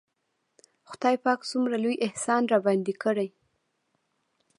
خداى پاک څومره لوى احسان راباندې کړى.